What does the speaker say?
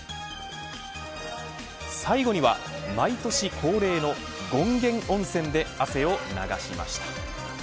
最後には毎年恒例の権現温泉で汗を流しました。